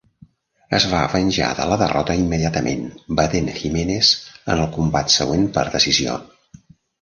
Es va venjar de la derrota immediatament batent Jimenez en el combat següent per decisió.